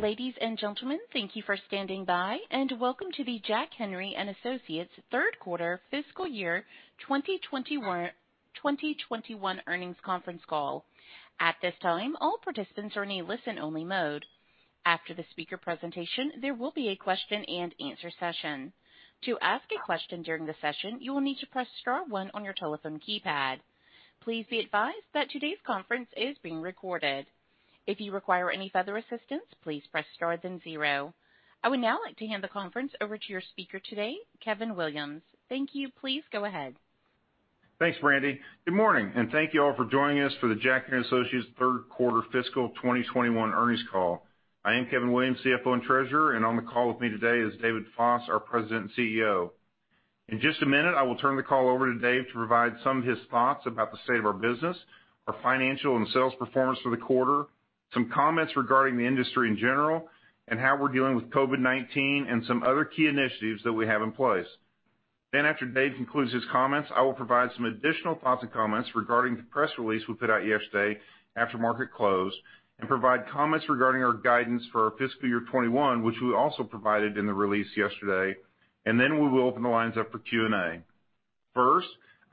Ladies and gentlemen, thank you for standing by, and welcome to the Jack Henry & Associates third quarter fiscal year 2021 earnings conference call. At this time, all participants are in a listen-only mode. After the speaker presentation, there will be a question-and-answer session. To ask a question during the session, you will need to press star one on your telephone keypad. Please be advised that today's conference is being recorded. If you require any further assistance, please press star then zero. I would now like to hand the conference over to your speaker today, Kevin Williams. Thank you. Please go ahead. Thanks, Brandy. Good morning, and thank you all for joining us for the Jack Henry & Associates third quarter fiscal 2021 earnings call. I am Kevin Williams, CFO and Treasurer, and on the call with me today is David Foss, our President and CEO. In just a minute, I will turn the call over to Dave to provide some of his thoughts about the state of our business, our financial and sales performance for the quarter, some comments regarding the industry in general, and how we're dealing with COVID-19 and some other key initiatives that we have in place. After Dave concludes his comments, I will provide some additional thoughts and comments regarding the press release we put out yesterday after market close and provide comments regarding our guidance for our fiscal year 2021, which we also provided in the release yesterday, and then we will open the lines up for Q&A.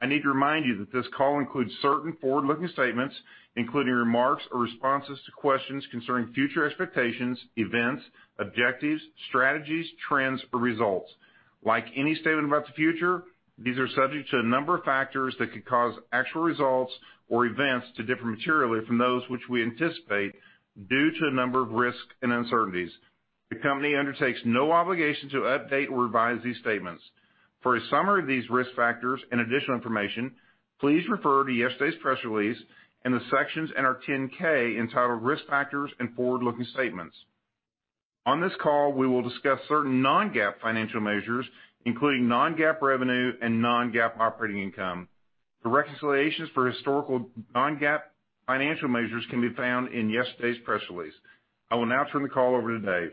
I need to remind you that this call includes certain forward-looking statements, including remarks or responses to questions concerning future expectations, events, objectives, strategies, trends, or results. Like any statement about the future, these are subject to a number of factors that could cause actual results or events to differ materially from those which we anticipate due to a number of risks and uncertainties. The company undertakes no obligation to update or revise these statements. For a summary of these risk factors and additional information, please refer to yesterday's press release and the sections in our 10-K entitled Risk Factors and Forward-Looking Statements. On this call, we will discuss certain non-GAAP financial measures, including non-GAAP revenue and non-GAAP operating income. The reconciliations for historical non-GAAP financial measures can be found in yesterday's press release. I will now turn the call over to Dave.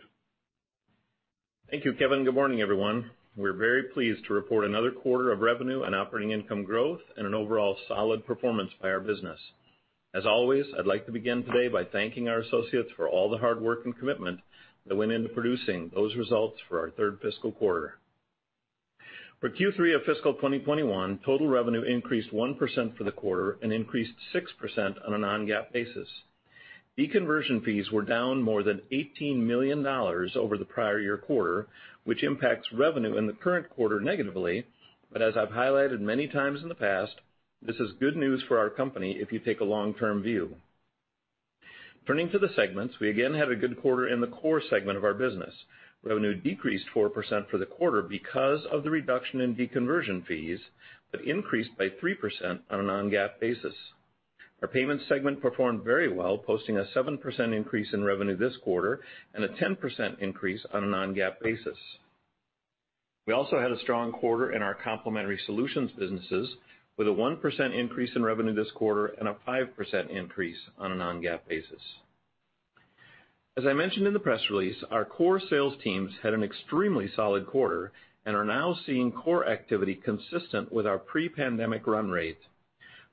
Thank you, Kevin. Good morning, everyone. We're very pleased to report another quarter of revenue and operating income growth and an overall solid performance by our business. As always, I'd like to begin today by thanking our associates for all the hard work and commitment that went into producing those results for our third fiscal quarter. For Q3 of fiscal 2021, total revenue increased 1% for the quarter and increased 6% on a non-GAAP basis. De-conversion fees were down more than $18 million over the prior year quarter, which impacts revenue in the current quarter negatively. As I've highlighted many times in the past, this is good news for our company if you take a long-term view. Turning to the segments, we again had a good quarter in the core segment of our business. Revenue decreased 4% for the quarter because of the reduction in deconversion fees, but increased by 3% on a non-GAAP basis. Our payments segment performed very well, posting a 7% increase in revenue this quarter and a 10% increase on a non-GAAP basis. We also had a strong quarter in our complementary solutions businesses with a 1% increase in revenue this quarter and a 5% increase on a non-GAAP basis. As I mentioned in the press release, our core sales teams had an extremely solid quarter and are now seeing core activity consistent with our pre-pandemic run rate.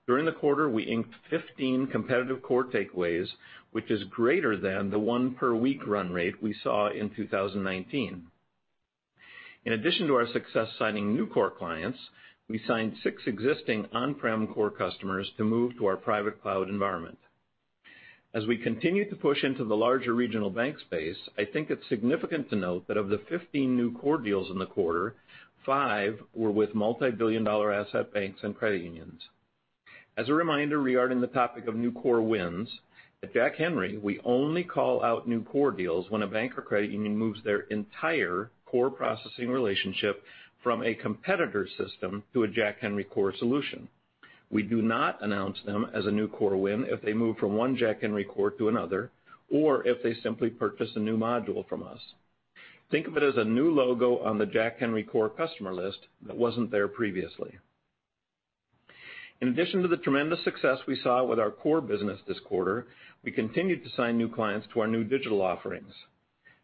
During the quarter, we inked 15 competitive core takeaways, which is greater than the one per week run rate we saw in 2019. In addition to our success signing new core clients, we signed six existing on-prem core customers to move to our private cloud environment. As we continue to push into the larger regional bank space, I think it is significant to note that of the 15 new core deals in the quarter, five were with multi-billion dollar asset banks and credit unions. As a reminder regarding the topic of new core wins, at Jack Henry, we only call out new core deals when a bank or credit union moves their entire core processing relationship from a competitor's system to a Jack Henry core solution. We do not announce them as a new core win if they move from one Jack Henry core to another or if they simply purchase a new module from us. Think of it as a new logo on the Jack Henry core customer list that wasn't there previously. In addition to the tremendous success we saw with our core business this quarter, we continued to sign new clients to our new digital offerings.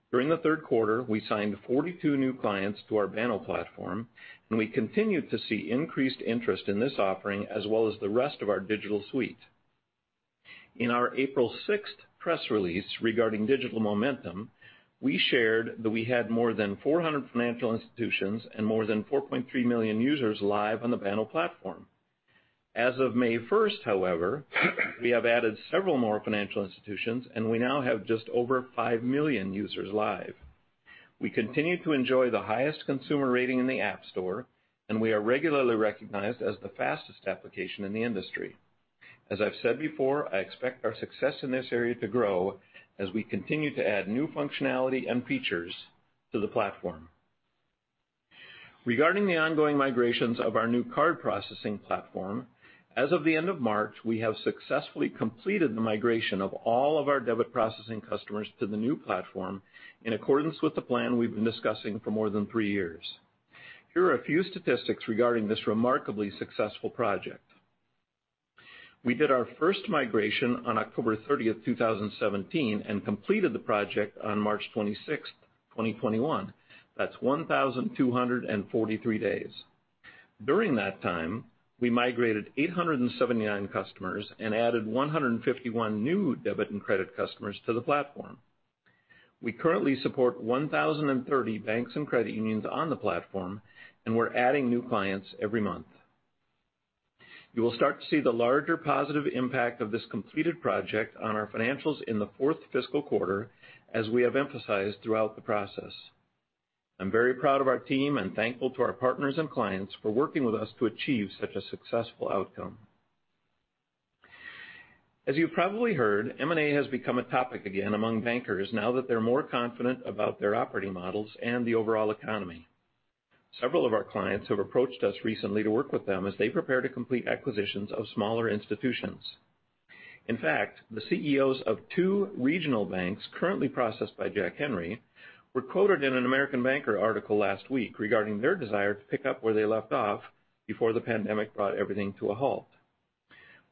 During the third quarter, we signed 42 new clients to our Banno platform, and we continued to see increased interest in this offering as well as the rest of our digital suite. In our April 6th press release regarding digital momentum, we shared that we had more than 400 financial institutions and more than 4.3 million users live on the Banno platform. As of May 1st, however, we have added several more financial institutions, and we now have just over 5 million users live. We continue to enjoy the highest consumer rating in the App Store, and we are regularly recognized as the fastest application in the industry. As I've said before, I expect our success in this area to grow as we continue to add new functionality and features to the platform. Regarding the ongoing migrations of our new card processing platform, as of the end of March, we have successfully completed the migration of all of our debit processing customers to the new platform in accordance with the plan we've been discussing for more than three years. Here are a few statistics regarding this remarkably successful project. We did our first migration on October 30th, 2017, and completed the project on March 26th, 2021. That's 1,243 days. During that time, we migrated 879 customers and added 151 new debit and credit customers to the platform. We currently support 1,030 banks and credit unions on the platform, and we're adding new clients every month. You will start to see the larger positive impact of this completed project on our financials in the fourth fiscal quarter, as we have emphasized throughout the process. I'm very proud of our team and thankful to our partners and clients for working with us to achieve such a successful outcome. As you've probably heard, M&A has become a topic again among bankers now that they're more confident about their operating models and the overall economy. Several of our clients have approached us recently to work with them as they prepare to complete acquisitions of smaller institutions. In fact, the CEOs of two regional banks currently processed by Jack Henry, were quoted in an American Banker article last week regarding their desire to pick up where they left off before the pandemic brought everything to a halt.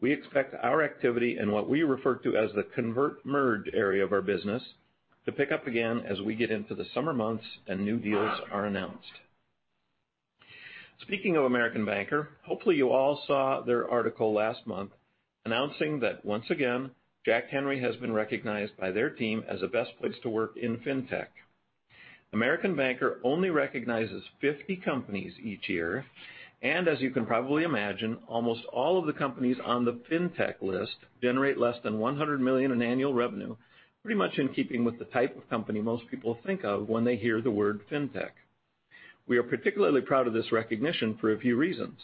We expect our activity in what we refer to as the convert/merge area of our business to pick up again as we get into the summer months and new deals are announced. Speaking of American Banker, hopefully you all saw their article last month announcing that once again, Jack Henry has been recognized by their team as a best place to work in FinTech. American Banker only recognizes 50 companies each year, and as you can probably imagine, almost all of the companies on the FinTech list generate less than $100 million in annual revenue, pretty much in keeping with the type of company most people think of when they hear the word FinTech. We are particularly proud of this recognition for a few reasons.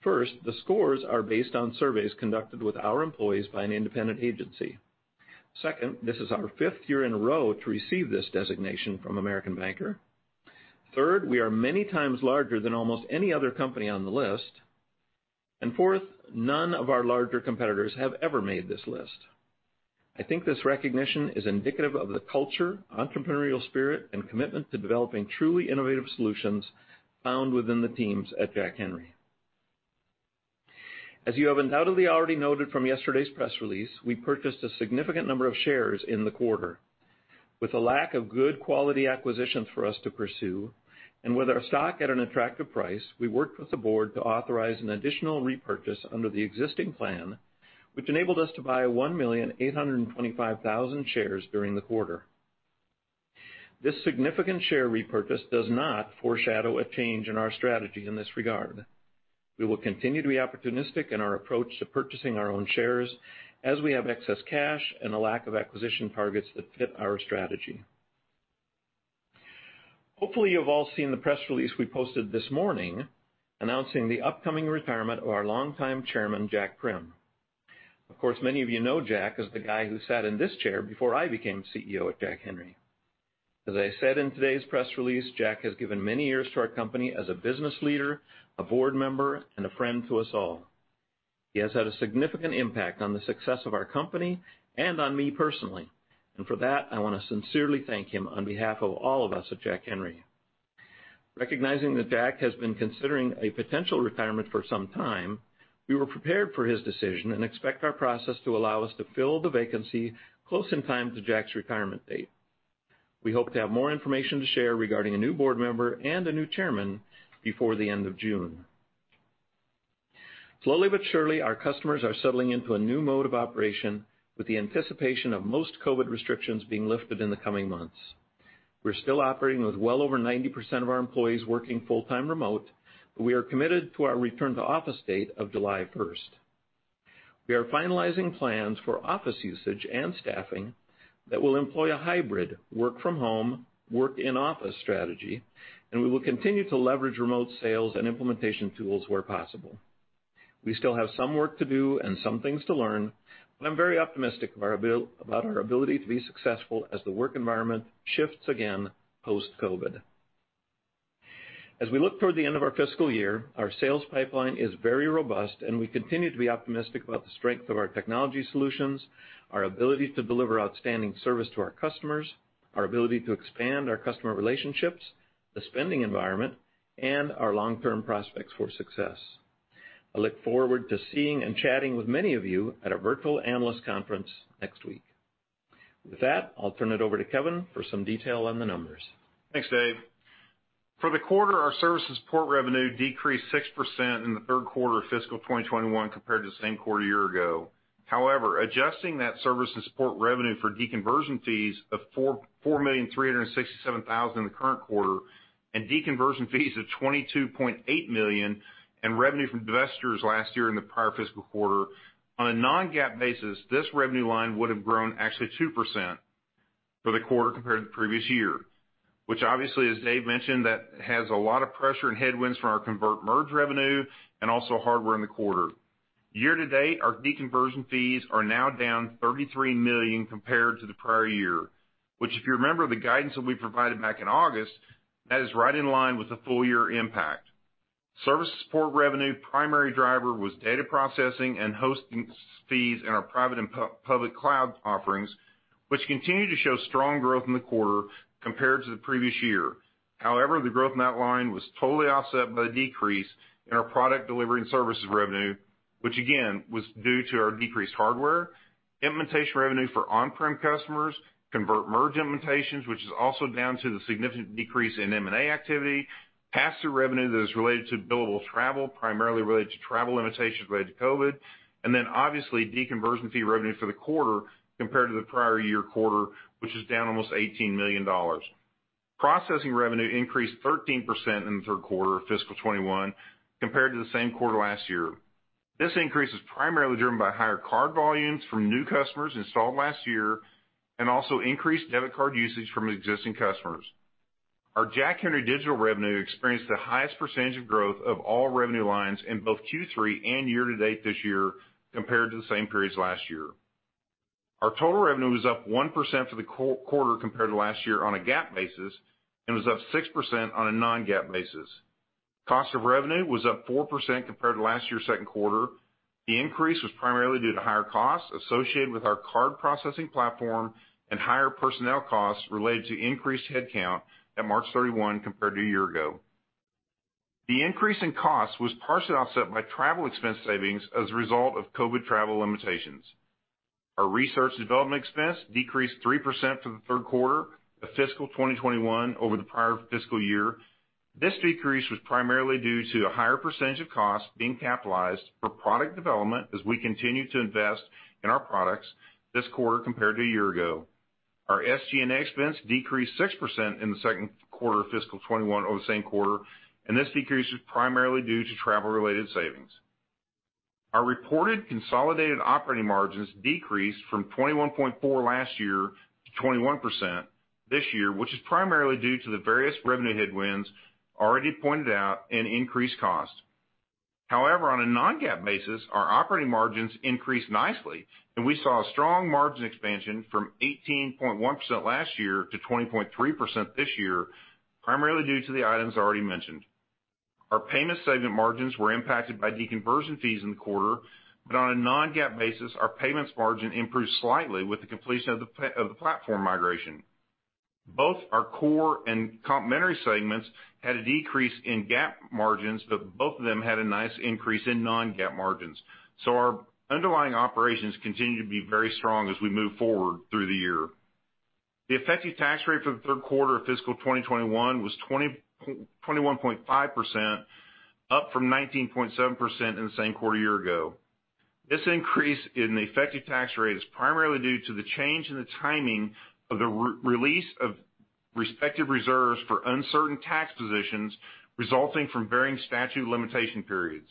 First, the scores are based on surveys conducted with our employees by an independent agency. Second, this is our fifth year in a row to receive this designation from American Banker. Third, we are many times larger than almost any other company on the list. Fourth, none of our larger competitors have ever made this list. I think this recognition is indicative of the culture, entrepreneurial spirit, and commitment to developing truly innovative solutions found within the teams at Jack Henry. As you have undoubtedly already noted from yesterday's press release, we purchased a significant number of shares in the quarter. With a lack of good quality acquisitions for us to pursue, and with our stock at an attractive price, we worked with the board to authorize an additional repurchase under the existing plan, which enabled us to buy 1,825,000 shares during the quarter. This significant share repurchase does not foreshadow a change in our strategy in this regard. We will continue to be opportunistic in our approach to purchasing our own shares as we have excess cash and a lack of acquisition targets that fit our strategy. Hopefully you've all seen the press release we posted this morning announcing the upcoming retirement of our longtime chairman, Jack Prim. Of course, many of you know Jack as the guy who sat in this chair before I became CEO at Jack Henry. As I said in today's press release, Jack has given many years to our company as a business leader, a board member, and a friend to us all. He has had a significant impact on the success of our company and on me personally, and for that, I want to sincerely thank him on behalf of all of us at Jack Henry. Recognizing that Jack has been considering a potential retirement for some time, we were prepared for his decision and expect our process to allow us to fill the vacancy close in time to Jack's retirement date. We hope to have more information to share regarding a new board member and a new chairman before the end of June. Slowly but surely, our customers are settling into a new mode of operation with the anticipation of most COVID restrictions being lifted in the coming months. We're still operating with well over 90% of our employees working full-time remote, but we are committed to our return to office date of July 1st. We are finalizing plans for office usage and staffing that will employ a hybrid work from home, work in office strategy, and we will continue to leverage remote sales and implementation tools where possible. We still have some work to do and some things to learn, but I'm very optimistic about our ability to be successful as the work environment shifts again post-COVID. As we look toward the end of our fiscal year, our sales pipeline is very robust, and we continue to be optimistic about the strength of our technology solutions, our ability to deliver outstanding service to our customers, our ability to expand our customer relationships, the spending environment, and our long-term prospects for success. I look forward to seeing and chatting with many of you at our virtual analyst conference next week. With that, I'll turn it over to Kevin for some detail on the numbers. Thanks, Dave. For the quarter, our services support revenue decreased 6% in the third quarter of fiscal 2021 compared to the same quarter a year ago. Adjusting that service and support revenue for deconversion fees of $4,367,000 in the current quarter and deconversion fees of $22.8 million and revenue from investors last year in the prior fiscal quarter. On a non-GAAP basis, this revenue line would have grown actually 2% for the quarter compared to the previous year, which obviously, as Dave mentioned, that has a lot of pressure and headwinds from our convert/merge revenue and also hardware in the quarter. Year to date, our deconversion fees are now down $33 million compared to the prior year, which if you remember the guidance that we provided back in August, that is right in line with the full year impact. Services support revenue primary driver was data processing and hosting fees in our private and public cloud offerings, which continue to show strong growth in the quarter compared to the previous year. The growth in that line was totally offset by the decrease in our product delivery and services revenue, which again, was due to our decreased hardware, implementation revenue for on-prem customers, convert/merge implementations, which is also down to the significant decrease in M&A activity, pass-through revenue that is related to billable travel, primarily related to travel limitations related to COVID, and then obviously de-conversion fee revenue for the quarter compared to the prior year quarter, which is down almost $18 million. Processing revenue increased 13% in the third quarter of fiscal 2021 compared to the same quarter last year. This increase is primarily driven by higher card volumes from new customers installed last year and also increased debit card usage from existing customers. Our Jack Henry Digital revenue experienced the highest percentage of growth of all revenue lines in both Q3 and year to date this year compared to the same periods last year. Our total revenue was up 1% for the quarter compared to last year on a GAAP basis, and was up 6% on a non-GAAP basis. Cost of revenue was up 4% compared to last year's second quarter. The increase was primarily due to higher costs associated with our card processing platform and higher personnel costs related to increased headcount at March 31 compared to a year ago. The increase in cost was partially offset by travel expense savings as a result of COVID travel limitations. Our Research and Development expense decreased 3% for the third quarter of fiscal 2021 over the prior fiscal year. This decrease was primarily due to a higher percentage of cost being capitalized software for product development as we continue to invest in our products this quarter compared to a year ago. Our SG&A expense decreased 6% in the second quarter of fiscal 2021 over the same quarter. This decrease was primarily due to travel-related savings. Our reported consolidated operating margins decreased from 21.4% last year to 21% this year, which is primarily due to the various revenue headwinds already pointed out and increased costs. However, on a non-GAAP basis, our operating margins increased nicely. We saw a strong margin expansion from 18.1% last year to 20.3% this year, primarily due to the items already mentioned. Our payments segment margins were impacted by deconversion fees in the quarter, but on a non-GAAP basis, our payments margin improved slightly with the completion of the platform migration. Both our core and complementary segments had a decrease in GAAP margins, but both of them had a nice increase in non-GAAP margins. Our underlying operations continue to be very strong as we move forward through the year. The effective tax rate for the third quarter of fiscal 2021 was 21.5%, up from 19.7% in the same quarter a year ago. This increase in the effective tax rate is primarily due to the change in the timing of the release of respective reserves for uncertain tax positions resulting from varying statute limitation periods.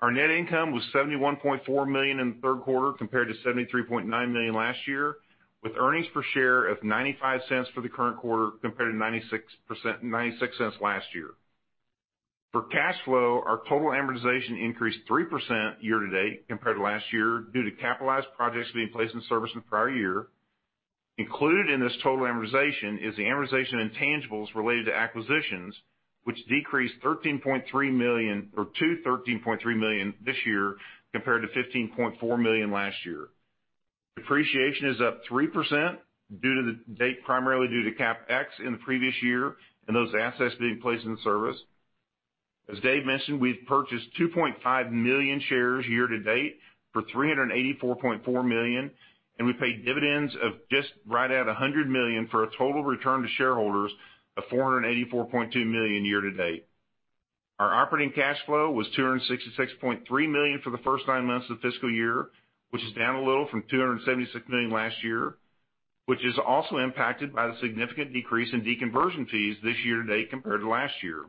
Our net income was $71.4 million in the third quarter, compared to $73.9 million last year, with earnings per share of $0.95 for the current quarter, compared to $0.96 last year. For cash flow, our total amortization increased 3% year to date compared to last year due to capitalized projects being placed in service in the prior year. Included in this total amortization is the amortization intangibles related to acquisitions, which decreased to $13.3 million this year compared to $15.4 million last year. Depreciation is up 3% primarily due to CapEx in the previous year and those assets being placed in service. As Dave mentioned, we've purchased 2.5 million shares year to date for $384.4 million, and we paid dividends of just right at $100 million for a total return to shareholders of $484.2 million year to date. Our operating cash flow was $266.3 million for the first nine months of the fiscal year, which is down a little from $276 million last year, which is also impacted by the significant decrease in deconversion fees this year to date compared to last year.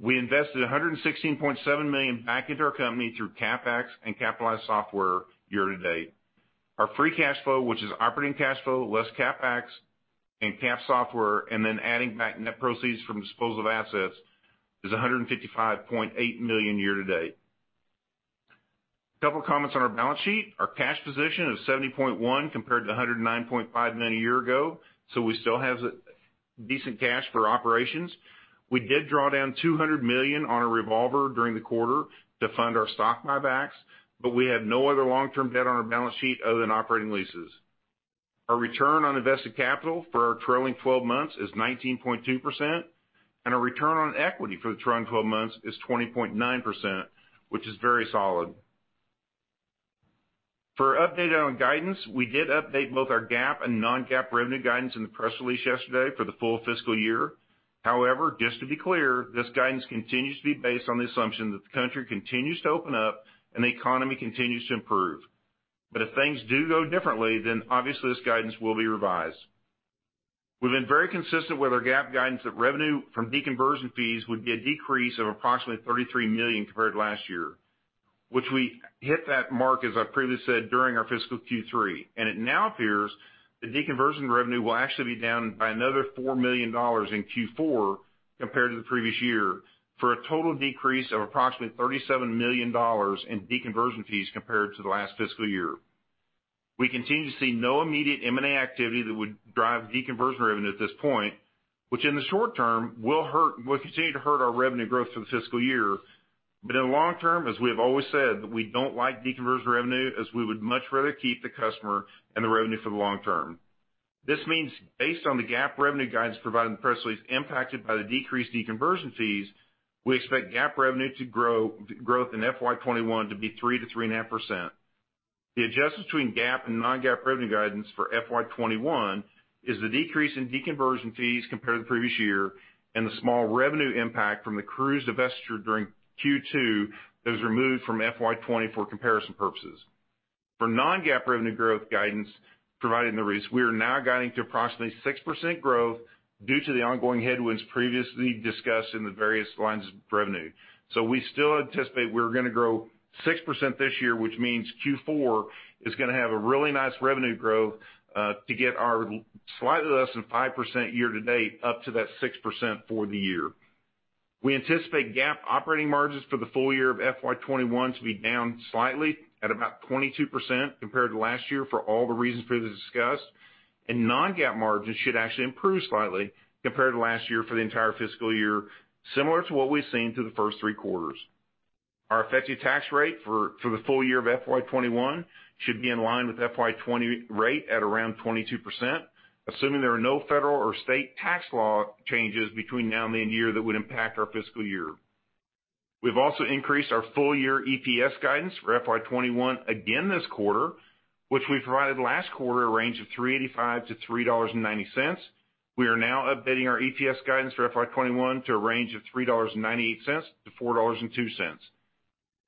We invested $116.7 million back into our company through CapEx and capitalized software year to date. Our free cash flow, which is operating cash flow, less CapEx and capitalized software, and then adding back net proceeds from disposal of assets, is $155.8 million year to date. A couple of comments on our balance sheet. Our cash position is $70.1 million compared to $109.5 million a year ago, so we still have decent cash for operations. We did draw down $200 million on a revolver during the quarter to fund our stock buybacks. We have no other long-term debt on our balance sheet other than operating leases. Our return on invested capital for our trailing 12 months is 19.2%. Our return on equity for the trailing 12 months is 20.9%, which is very solid. For update on guidance, we did update both our GAAP and non-GAAP revenue guidance in the press release yesterday for the full fiscal year. Just to be clear, this guidance continues to be based on the assumption that the country continues to open up and the economy continues to improve. If things do go differently, obviously this guidance will be revised. We've been very consistent with our GAAP guidance that revenue from deconversion fees would be a decrease of approximately $33 million compared to last year, which we hit that mark, as I previously said, during our fiscal Q3. It now appears the deconversion revenue will actually be down by another $4 million in Q4 compared to the previous year for a total decrease of approximately $37 million in deconversion fees compared to the last fiscal year. We continue to see no immediate M&A activity that would drive deconversion revenue at this point, which in the short term will continue to hurt our revenue growth for the fiscal year. In the long term, as we have always said, that we don't like deconversion revenue as we would much rather keep the customer and the revenue for the long term. This means based on the GAAP revenue guidance provided in the press release impacted by the decreased deconversion fees, we expect GAAP revenue growth in FY 2021 to be 3%-3.5%. The adjustment between GAAP and non-GAAP revenue guidance for FY 2021 is the decrease in deconversion fees compared to the previous year, and the small revenue impact from the Cruise divestiture during Q2 that was removed from FY 2020 for comparison purposes. For non-GAAP revenue growth guidance provided in the release, we are now guiding to approximately 6% growth due to the ongoing headwinds previously discussed in the various lines of revenue. We still anticipate we're going to grow 6% this year, which means Q4 is going to have a really nice revenue growth, to get our slightly less than 5% year to date up to that 6% for the year. We anticipate GAAP operating margins for the full year of FY 2021 to be down slightly at about 22% compared to last year for all the reasons previously discussed, and non-GAAP margins should actually improve slightly compared to last year for the entire fiscal year, similar to what we've seen through the first three quarters. Our effective tax rate for the full year of FY 2021 should be in line with FY 2020 rate at around 22%, assuming there are no federal or state tax law changes between now and the end of the year that would impact our fiscal year. We've also increased our full-year EPS guidance for FY 2021 again this quarter, which we provided last quarter a range of $3.85-$3.90. We are now updating our EPS guidance for FY 2021 to a range of $3.98-$4.02.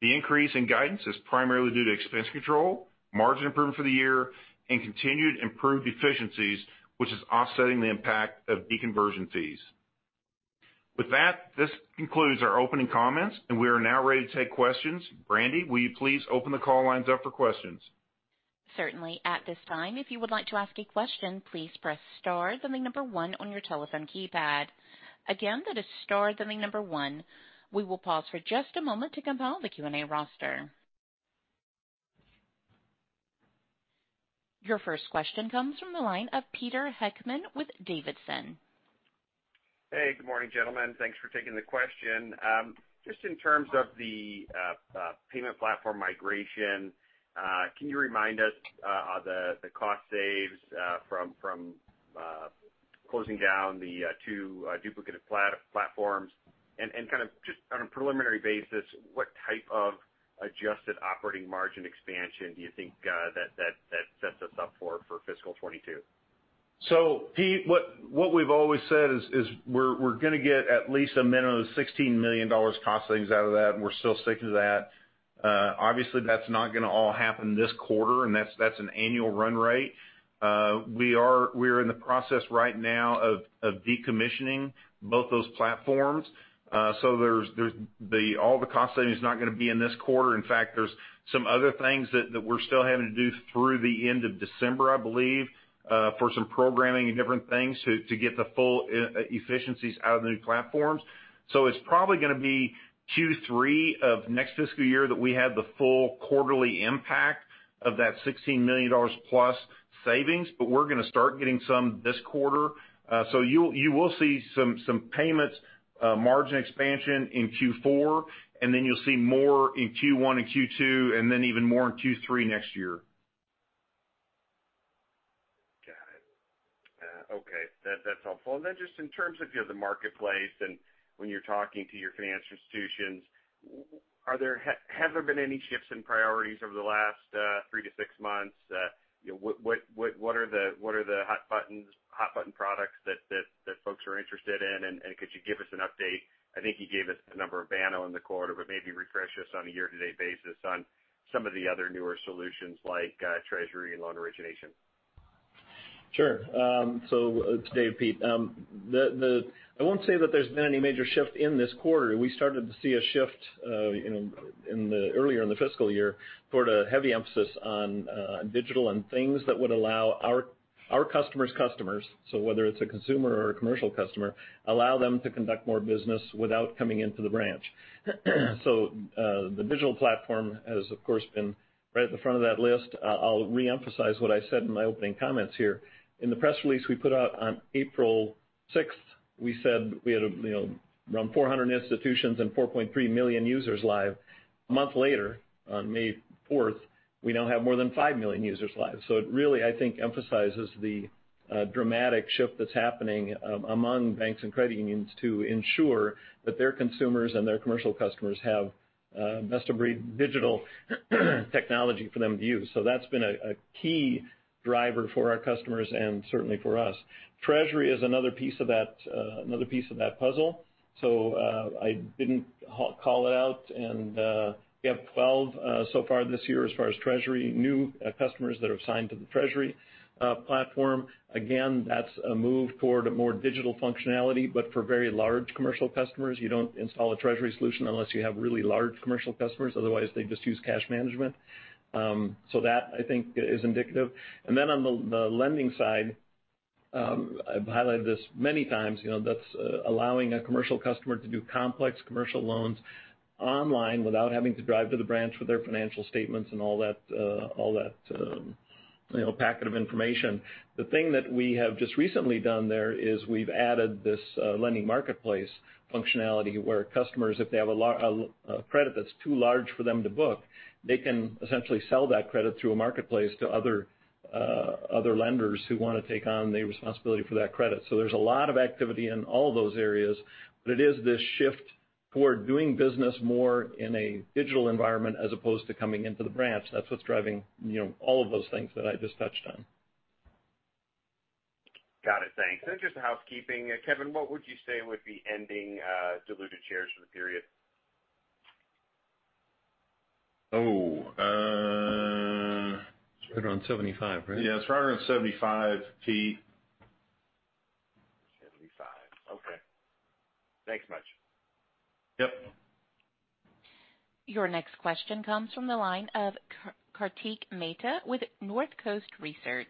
The increase in guidance is primarily due to expense control, margin improvement for the year, and continued improved efficiencies, which is offsetting the impact of deconversion fees. With that, this concludes our opening comments, and we are now ready to take questions. Brandy, will you please open the call lines up for questions? Certainly. At this time if you would like to ask a question, please press star then the number one on your telephone keypad. Again that is star then the number one. We will pause for just a moment to compile the Q&A roster. Your first question comes from the line of Peter Heckmann with Davidson. Hey, good morning, gentlemen. Thanks for taking the question. Just in terms of the payment platform migration, can you remind us the cost saves from closing down the two duplicate platforms and kind of just on a preliminary basis, what type of adjusted operating margin expansion do you think that sets us up for fiscal 2022? Pete, what we've always said is we're going to get at least a minimum of $16 million cost savings out of that, and we're still sticking to that. Obviously, that's not going to all happen this quarter, and that's an annual run rate. We are in the process right now of decommissioning both those platforms. All the cost saving is not going to be in this quarter. In fact, there's some other things that we're still having to do through the end of December, I believe, for some programming and different things to get the full efficiencies out of the new platforms. It's probably going to be Q3 of next fiscal year that we have the full quarterly impact of that $16 million-plus savings, but we're going to start getting some this quarter. You will see some payments margin expansion in Q4, and then you'll see more in Q1 and Q2, and then even more in Q3 next year. Got it. Okay. That's helpful. Then just in terms of the marketplace and when you're talking to your financial institutions, have there been any shifts in priorities over the last three to six months? What are the hot button products that folks are interested in? Could you give us an update? I think you gave us a number of Banno in the quarter, but maybe refresh us on a year-to-date basis on some of the other newer solutions like treasury and loan origination. Sure. It's Dave, Pete. I won't say that there's been any major shift in this quarter. We started to see a shift earlier in the fiscal year toward a heavy emphasis on digital and things that would allow our customer's customers, whether it's a consumer or a commercial customer, allow them to conduct more business without coming into the branch. The digital platform has, of course, been right at the front of that list. I'll reemphasize what I said in my opening comments here. In the press release we put out on April 6th, we said we had around 400 institutions and 4.3 million users live. A month later, on May 4th, we now have more than five million users live. It really, I think, emphasizes the dramatic shift that's happening among banks and credit unions to ensure that their consumers and their commercial customers have best-of-breed digital technology for them to use. That's been a key driver for our customers and certainly for us. Treasury is another piece of that puzzle. I didn't call it out and we have 12 so far this year as far as treasury, new customers that have signed to the treasury platform. Again, that's a move toward a more digital functionality, but for very large commercial customers. You don't install a treasury solution unless you have really large commercial customers. Otherwise, they just use cash management. That, I think, is indicative. Then on the lending side, I've highlighted this many times. That's allowing a commercial customer to do complex commercial loans online without having to drive to the branch with their financial statements and all that packet of information. The thing that we have just recently done there is we've added this lending marketplace functionality where customers, if they have a credit that's too large for them to book, they can essentially sell that credit through a marketplace to other lenders who want to take on the responsibility for that credit. There's a lot of activity in all those areas, but it is this shift toward doing business more in a digital environment as opposed to coming into the branch. That's what's driving all of those things that I just touched on. Got it. Thanks. Just housekeeping. Kevin, what would you say would be ending diluted shares for the period? Oh. It's right around 75 million, right? Yeah, it's right around 75 million, Pete. 75 million. Okay. Thanks much. Yep. Your next question comes from the line of Kartik Mehta with Northcoast Research.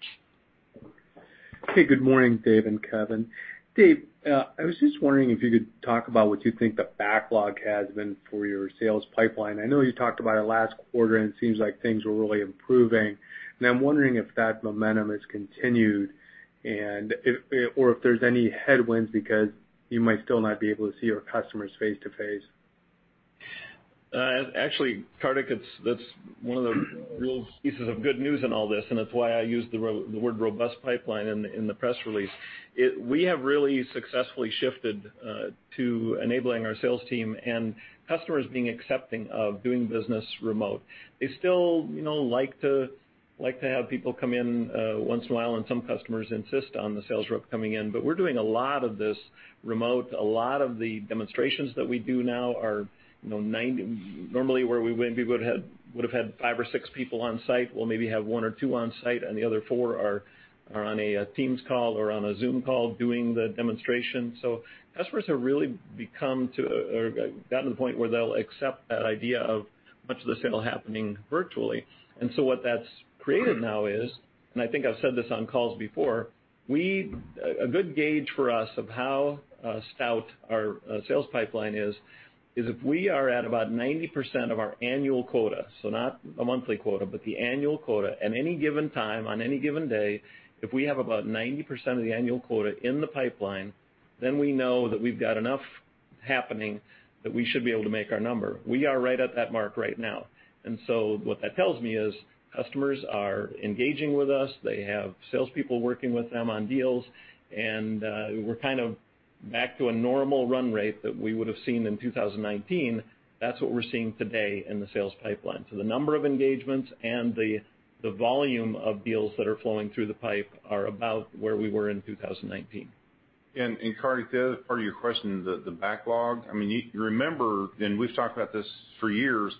Hey, good morning, Dave and Kevin. Dave, I was just wondering if you could talk about what you think the backlog has been for your sales pipeline. I know you talked about it last quarter, and it seems like things were really improving. I'm wondering if that momentum has continued or if there's any headwinds because you might still not be able to see your customers face-to-face. Actually, Kartik, that's one of the real pieces of good news in all this. It's why I used the word robust pipeline in the press release. We have really successfully shifted to enabling our sales team and customers being accepting of doing business remote. They still like to have people come in once in a while. Some customers insist on the sales rep coming in. We're doing a lot of this remote. A lot of the demonstrations that we do now are, normally where we would've had five or six people on site, we'll maybe have one or two on site and the other four are on a Teams call or on a Zoom call doing the demonstration. Customers have really gotten to the point where they'll accept that idea of much of the sale happening virtually. What that's created now is, and I think I've said this on calls before, a good gauge for us of how stout our sales pipeline is if we are at about 90% of our annual quota. Not a monthly quota, but the annual quota. At any given time, on any given day, if we have about 90% of the annual quota in the pipeline, we know that we've got enough happening that we should be able to make our number. We are right at that mark right now. What that tells me is customers are engaging with us. They have salespeople working with them on deals, and we're kind of back to a normal run rate that we would've seen in 2019. That's what we're seeing today in the sales pipeline. The number of engagements and the volume of deals that are flowing through the pipe are about where we were in 2019. Kartik, the other part of your question, the backlog. You remember, we've talked about this for years,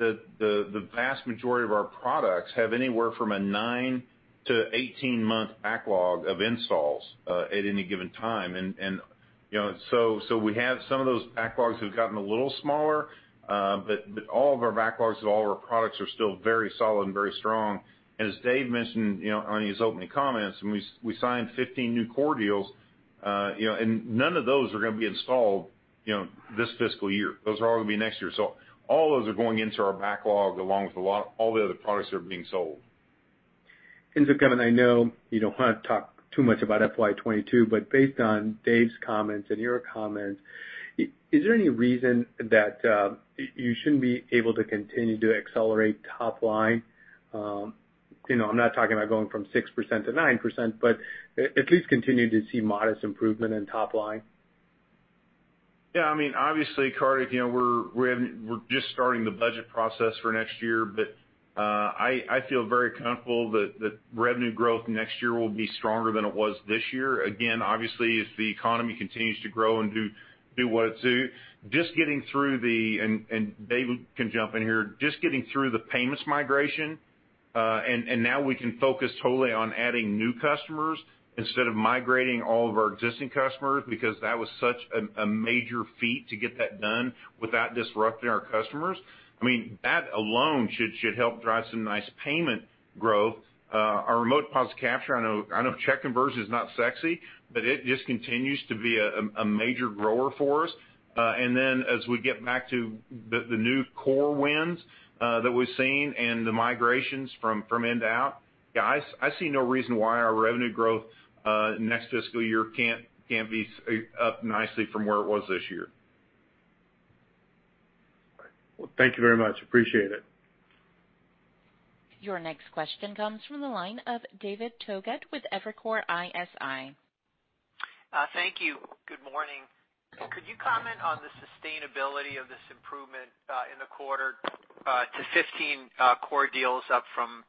that the vast majority of our products have anywhere from a nine to 18-month backlog of installs at any given time. We have some of those backlogs have gotten a little smaller, but all of our backlogs of all of our products are still very solid and very strong. As Dave mentioned on his opening comments, we signed 15 new core deals, none of those are going to be installed this fiscal year. Those are all going to be next year. All those are going into our backlog along with all the other products that are being sold. Kevin, I know you don't want to talk too much about FY 2022, but based on Dave's comments and your comments, is there any reason that you shouldn't be able to continue to accelerate top line? I'm not talking about going from 6%-9%, but at least continue to see modest improvement in top line. Yeah, obviously, Kartik, we're just starting the budget process for next year. I feel very comfortable that revenue growth next year will be stronger than it was this year. Obviously, as the economy continues to grow and do what it do. Dave can jump in here. Just getting through the payments migration, now we can focus totally on adding new customers instead of migrating all of our existing customers because that was such a major feat to get that done without disrupting our customers. That alone should help drive some nice payment growth. Our Remote Deposit Capture, I know check conversion is not sexy. It just continues to be a major grower for us. As we get back to the new core wins that we've seen and the migrations from end to out, I see no reason why our revenue growth next fiscal year can't be up nicely from where it was this year. Well, thank you very much. Appreciate it. Your next question comes from the line of David Togut with Evercore ISI. Thank you. Good morning. Could you comment on the sustainability of this improvement in the quarter to 15 core deals up from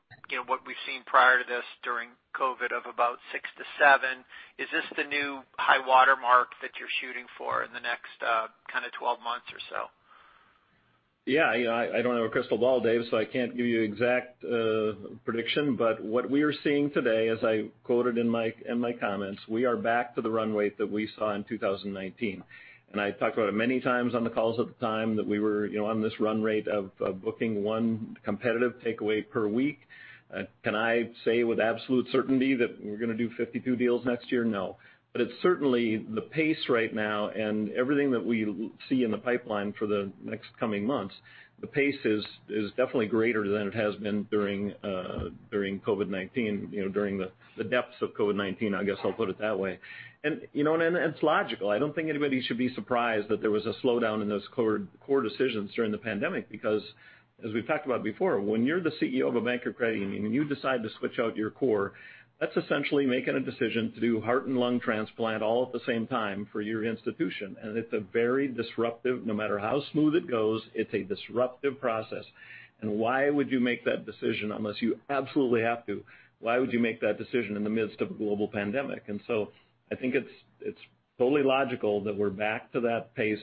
what we've seen prior to this during COVID of about six to seven? Is this the new high water mark that you're shooting for in the next kind of 12 months or so? Yeah. I don't have a crystal ball, David, so I can't give you an exact prediction. What we are seeing today, as I quoted in my comments, we are back to the run rate that we saw in 2019. I talked about it many times on the calls at the time that we were on this run rate of booking one competitive takeaway per week. Can I say with absolute certainty that we're going to do 52 deals next year? No. It's certainly the pace right now and everything that we see in the pipeline for the next coming months, the pace is definitely greater than it has been during COVID-19, during the depths of COVID-19, I guess I'll put it that way. It's logical. I don't think anybody should be surprised that there was a slowdown in those core decisions during the pandemic because. As we've talked about before, when you're the CEO of a bank or credit union and you decide to switch out your core, that's essentially making a decision to do heart and lung transplant all at the same time for your institution. It's a very disruptive, no matter how smooth it goes, it's a disruptive process. Why would you make that decision unless you absolutely have to? Why would you make that decision in the midst of a global pandemic? I think it's totally logical that we're back to that pace.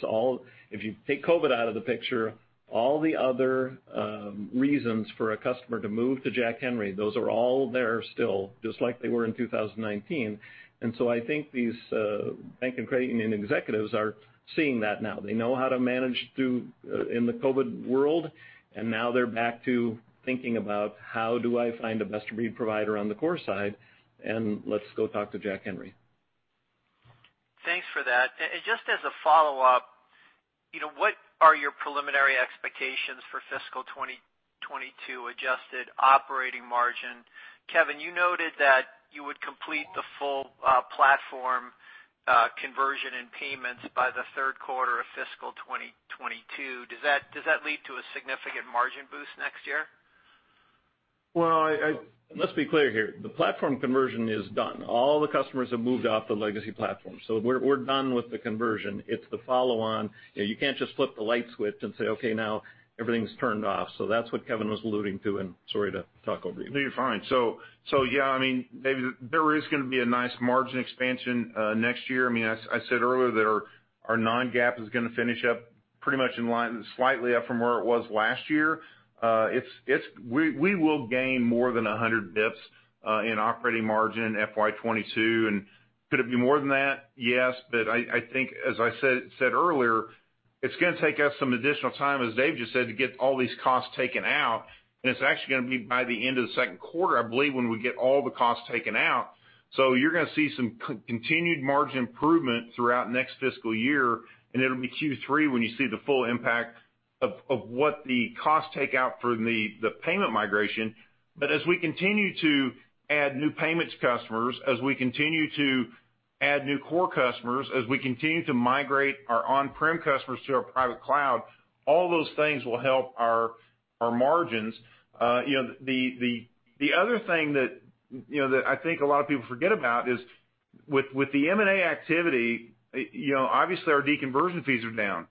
If you take COVID out of the picture, all the other reasons for a customer to move to Jack Henry, those are all there still, just like they were in 2019. I think these bank and credit union executives are seeing that now. They know how to manage in the COVID world, and now they're back to thinking about, "How do I find the best provider on the core side?" and, "Let's go talk to Jack Henry. Thanks for that. Just as a follow-up, what are your preliminary expectations for fiscal 2022 adjusted operating margin? Kevin, you noted that you would complete the full platform conversion and payments by the third quarter of fiscal 2022. Does that lead to a significant margin boost next year? Well, let's be clear here. The platform conversion is done. All the customers have moved off the legacy platform. We're done with the conversion. It's the follow-on. You can't just flip the light switch and say, "Okay, now everything's turned off." That's what Kevin was alluding to, and sorry to talk over you. No, you're fine. Yeah, I mean, David, there is going to be a nice margin expansion next year. I mean, I said earlier that our non-GAAP is going to finish up pretty much in line, slightly up from where it was last year. We will gain more than 100 basis points in operating margin FY 2022. Could it be more than that? Yes. I think, as I said earlier, it's going to take us some additional time, as Dave just said, to get all these costs taken out, and it's actually going to be by the end of the second quarter, I believe, when we get all the costs taken out. You're going to see some continued margin improvement throughout next fiscal year, and it'll be Q3 when you see the full impact of what the cost takeout for the payment migration. As we continue to add new payments customers, as we continue to add new core customers, as we continue to migrate our on-prem customers to our private cloud, all those things will help our margins. The other thing that I think a lot of people forget about is with the M&A activity, obviously our deconversion fees are down.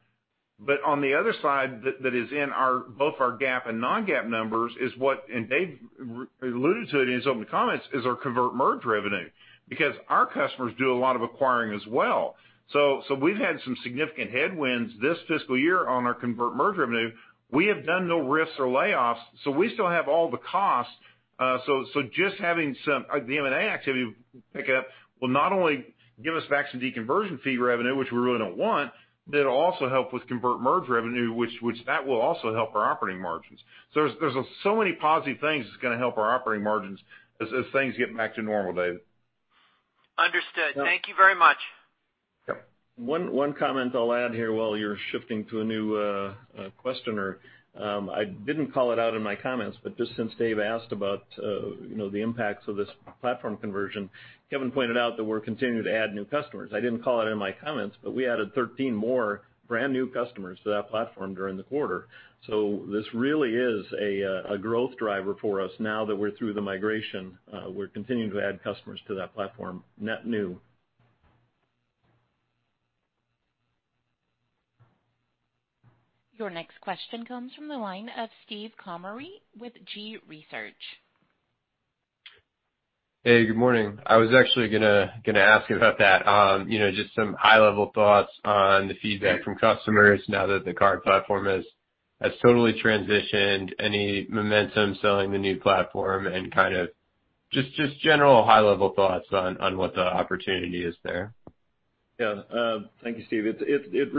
On the other side that is in both our GAAP and non-GAAP numbers is what, and Dave alluded to it in his opening comments, is our convert/merge revenue. Our customers do a lot of acquiring as well. We've had some significant headwinds this fiscal year on our convert/merge revenue. We have done no risks or layoffs, so we still have all the costs. Just having some of the M&A activity pick it up will not only give us back some deconversion fee revenue, which we really don't want, but it'll also help with convert/merge revenue, which that will also help our operating margins. There's so many positive things that's going to help our operating margins as things get back to normal, David. Understood. Thank you very much. Yep. One comment I'll add here while you're shifting to a new questioner. I didn't call it out in my comments, but just since Dave asked about the impacts of this platform conversion, Kevin pointed out that we're continuing to add new customers. I didn't call it in my comments, but we added 13 more brand-new customers to that platform during the quarter. This really is a growth driver for us now that we're through the migration. We're continuing to add customers to that platform, net new. Your next question comes from the line of Steve Comery with G-Research. Hey, good morning. I was actually going to ask about that. Just some high-level thoughts on the feedback from customers now that the card platform has totally transitioned, any momentum selling the new platform, and just general high-level thoughts on what the opportunity is there. Yeah. Thank you, Steve. The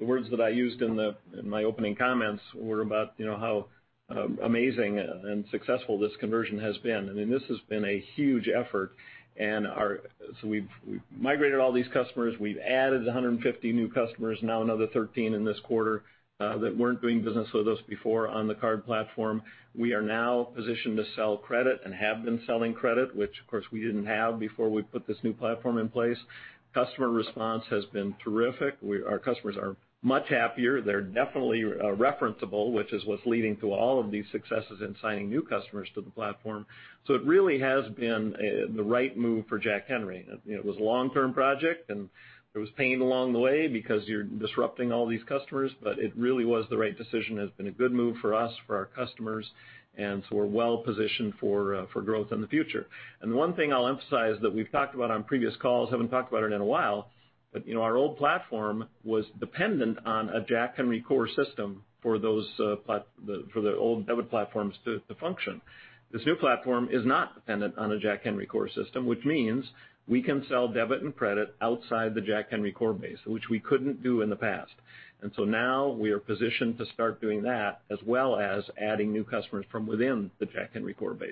words that I used in my opening comments were about how amazing and successful this conversion has been. I mean, this has been a huge effort. We've migrated all these customers. We've added 150 new customers, now another 13 in this quarter, that weren't doing business with us before on the card platform. We are now positioned to sell credit and have been selling credit, which, of course, we didn't have before we put this new platform in place. Customer response has been terrific. Our customers are much happier. They're definitely referenceable, which is what's leading to all of these successes in signing new customers to the platform. It really has been the right move for Jack Henry. It was a long-term project, and there was pain along the way because you're disrupting all these customers, but it really was the right decision. It has been a good move for us, for our customers, and so we're well-positioned for growth in the future. The one thing I'll emphasize that we've talked about on previous calls, haven't talked about it in a while, but our old platform was dependent on a Jack Henry core system for the old debit platforms to function. This new platform is not dependent on a Jack Henry core system, which means we can sell debit and credit outside the Jack Henry core base, which we couldn't do in the past. Now we are positioned to start doing that, as well as adding new customers from within the Jack Henry core base.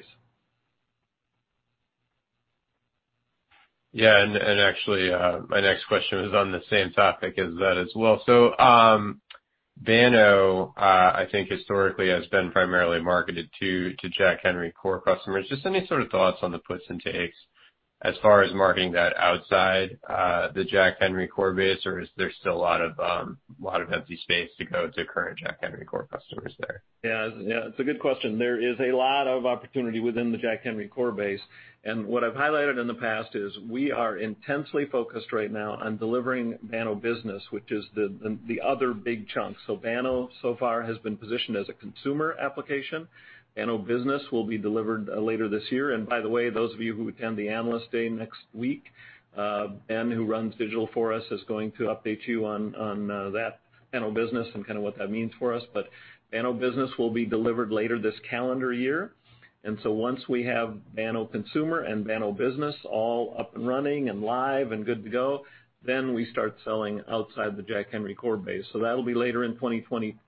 Actually, my next question was on the same topic as that as well. Banno, I think historically has been primarily marketed to Jack Henry core customers. Just any sort of thoughts on the puts and takes as far as marketing that outside the Jack Henry core base, or is there still a lot of empty space to go to current Jack Henry core customers there? Yeah. It's a good question. There is a lot of opportunity within the Jack Henry core base. What I've highlighted in the past is we are intensely focused right now on delivering Banno Business, which is the other big chunk. Banno, so far, has been positioned as a consumer application. Banno Business will be delivered later this year. By the way, those of you who attend the Analyst Day next week, Ben, who runs digital for us, is going to update you on that Banno Business and kind of what that means for us. Banno Business will be delivered later this calendar year, and so once we have Banno Consumer and Banno Business all up and running and live and good to go, then we start selling outside the Jack Henry core base. That'll be later in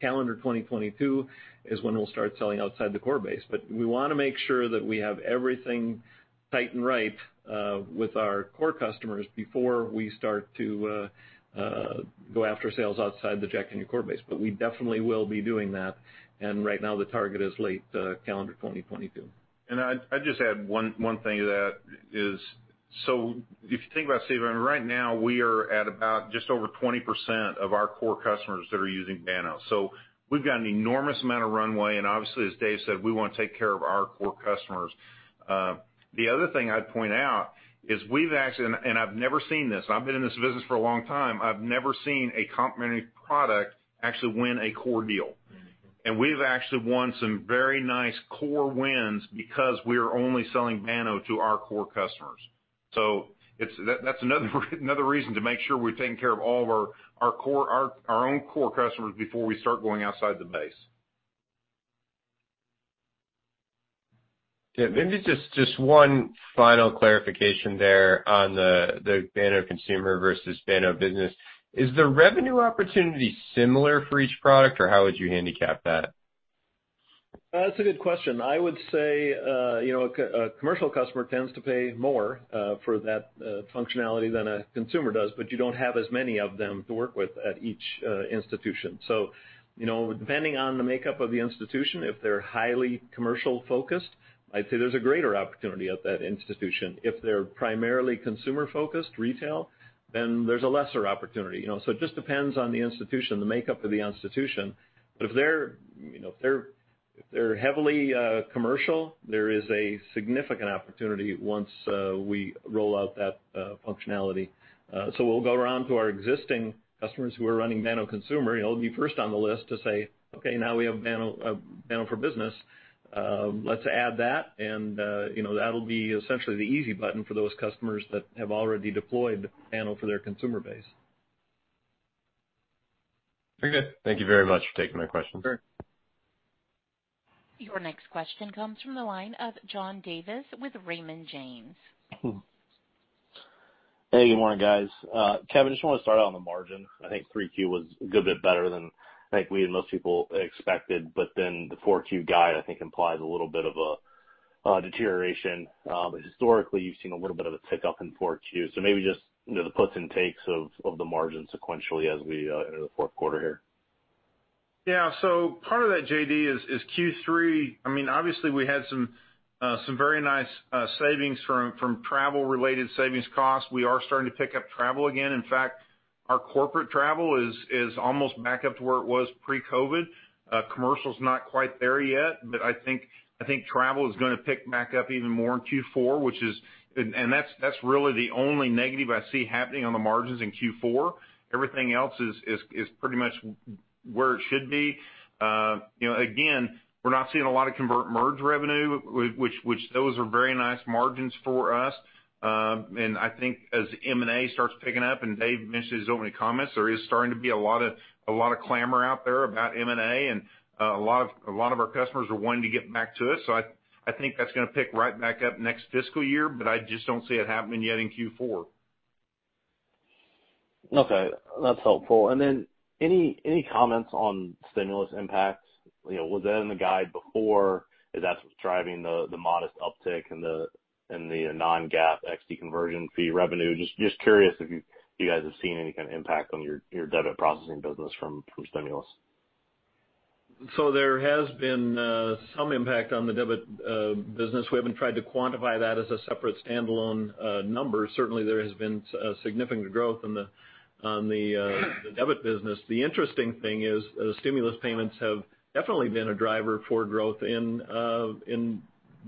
calendar 2022 is when we'll start selling outside the core base. We want to make sure that we have everything tight and right with our core customers before we start to go after sales outside the Jack Henry core base. We definitely will be doing that. Right now, the target is late calendar 2022. I'd just add one thing to that is, so if you think about it, Steve, right now we are at about just over 20% of our core customers that are using Banno. We've got an enormous amount of runway, and obviously, as Dave said, we want to take care of our core customers. The other thing I'd point out is we've actually, and I've never seen this. I've been in this business for a long time. I've never seen a complementary product actually win a core deal. We've actually won some very nice core wins because we are only selling Banno to our core customers. That's another reason to make sure we've taken care of all of our own core customers before we start going outside the base. Yeah. Maybe just one final clarification there on the Banno Consumer versus Banno Business. Is the revenue opportunity similar for each product, or how would you handicap that? That's a good question. I would say a commercial customer tends to pay more for that functionality than a consumer does, but you don't have as many of them to work with at each institution. Depending on the makeup of the institution, if they're highly commercial-focused, I'd say there's a greater opportunity at that institution. If they're primarily consumer-focused, retail, then there's a lesser opportunity. It just depends on the institution, the makeup of the institution. If they're heavily commercial, there is a significant opportunity once we roll out that functionality. We'll go around to our existing customers who are running Banno Consumer. It'll be first on the list to say, "Okay, now we have Banno for Business. Let's add that," and that'll be essentially the easy button for those customers that have already deployed Banno for their consumer base. Very good. Thank you very much for taking my question. Sure. Your next question comes from the line of John Davis with Raymond James. Hey, good morning, guys. Kevin, I just want to start out on the margin. I think Q3 was a good bit better than I think we and most people expected, but then the Q4 guide, I think, implies a little bit of a deterioration. Historically, you've seen a little bit of a tick up in Q4. Maybe just the puts and takes of the margin sequentially as we enter the fourth quarter here. Yeah. Part of that, JD, is Q3. Obviously, we had some very nice savings from travel-related savings costs. We are starting to pick up travel again. In fact, our corporate travel is almost back up to where it was pre-COVID. Commercial's not quite there yet, but I think travel is going to pick back up even more in Q4, and that's really the only negative I see happening on the margins in Q4. Everything else is pretty much where it should be. Again, we're not seeing a lot of convert/merge revenue, which those are very nice margins for us. I think as M&A starts picking up, and Dave mentioned this in his opening comments, there is starting to be a lot of clamor out there about M&A, and a lot of our customers are wanting to get back to it. I think that's going to pick right back up next fiscal year, but I just don't see it happening yet in Q4. Okay. That's helpful. Any comments on stimulus impacts? Was that in the guide before? Is that what's driving the modest uptick in the non-GAAP deconversion fee revenue? Just curious if you guys have seen any kind of impact on your debit processing business from stimulus. There has been some impact on the debit business. We haven't tried to quantify that as a separate standalone number. Certainly, there has been significant growth on the debit business. The interesting thing is stimulus payments have definitely been a driver for growth in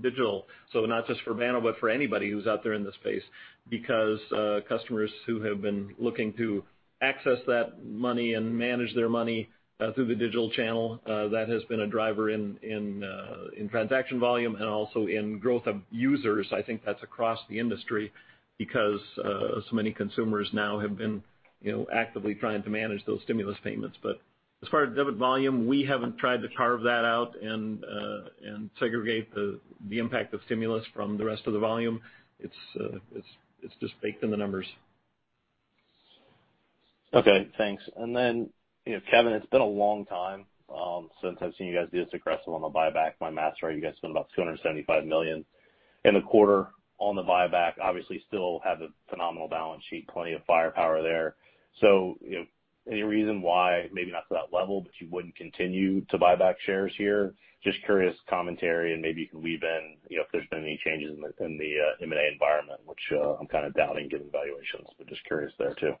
digital. Not just for Banno, but for anybody who's out there in the space because customers who have been looking to access that money and manage their money through the digital channel, that has been a driver in transaction volume and also in growth of users. I think that's across the industry because so many consumers now have been actively trying to manage those stimulus payments. As far as debit volume, we haven't tried to carve that out and segregate the impact of stimulus from the rest of the volume. It's just baked in the numbers. Okay, thanks. Kevin, it's been a long time since I've seen you guys be this aggressive on the buyback. My math's right, you guys spent about $275 million in the quarter on the buyback. Obviously, still have a phenomenal balance sheet, plenty of firepower there. Any reason why, maybe not to that level, but you wouldn't continue to buy back shares here? Just curious commentary, and maybe you can weave in if there's been any changes in the M&A environment, which I'm kind of doubting, given valuations, but just curious there too.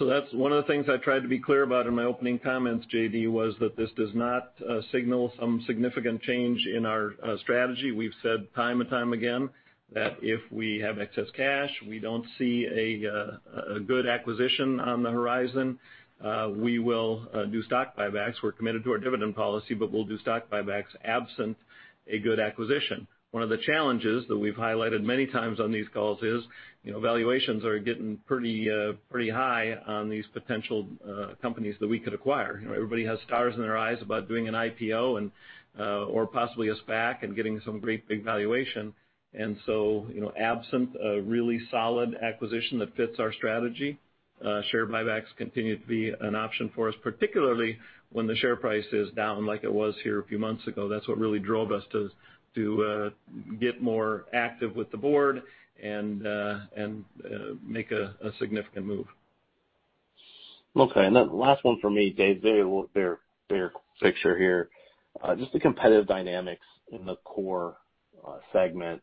That's one of the things I tried to be clear about in my opening comments, JD, was that this does not signal some significant change in our strategy. We've said time and time again that if we have excess cash, we don't see a good acquisition on the horizon, we will do stock buybacks. We're committed to our dividend policy, but we'll do stock buybacks absent a good acquisition. One of the challenges that we've highlighted many times on these calls is, valuations are getting pretty high on these potential companies that we could acquire. Everybody has stars in their eyes about doing an IPO and, or possibly a SPAC and getting some great big valuation. Absent a really solid acquisition that fits our strategy, share buybacks continue to be an option for us, particularly when the share price is down like it was here a few months ago. That's what really drove us to get more active with the board and make a significant move. Okay, then last one from me, Dave. Bigger picture here. Just the competitive dynamics in the core segment.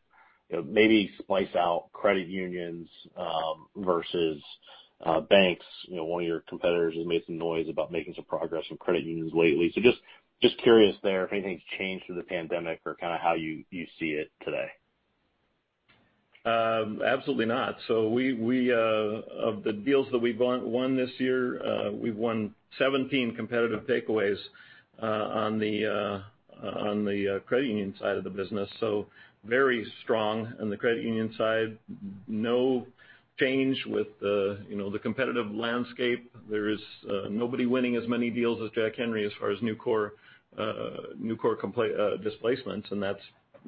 Maybe splice out credit unions versus banks. One of your competitors has made some noise about making some progress on credit unions lately. Just curious there if anything's changed through the pandemic or how you see it today. Absolutely not. Of the deals that we've won this year, we've won 17 competitive takeaways on the credit union side of the business. Very strong on the credit union side. No change with the competitive landscape. There is nobody winning as many deals as Jack Henry as far as new core displacements, and that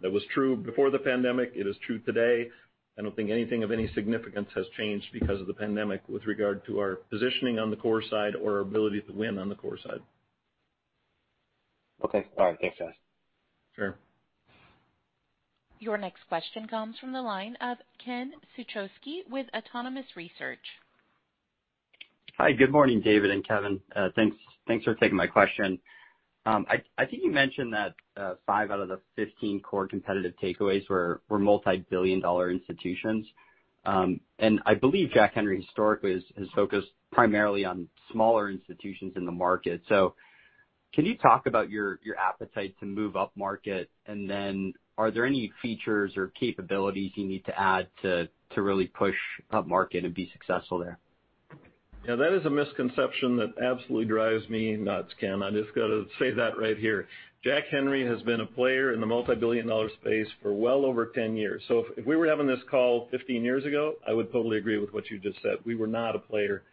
was true before the pandemic. It is true today. I don't think anything of any significance has changed because of the pandemic with regard to our positioning on the core side or our ability to win on the core side. Okay. All right. Thanks, guys. Sure. Your next question comes from the line of Ken Suchoski with Autonomous Research. Hi, good morning, David and Kevin. Thanks for taking my question. I think you mentioned that five out of the 15 core competitive takeaways were multi-billion-dollar institutions. I believe Jack Henry historically has focused primarily on smaller institutions in the market. Can you talk about your appetite to move up market, and then are there any features or capabilities you need to add to really push up market and be successful there? Yeah, that is a misconception that absolutely drives me nuts, Ken. I just got to say that right here. Jack Henry has been a player in the multi-billion-dollar space for well over 10 years. If we were having this call 15 years ago, I would totally agree with what you just said. We were not a player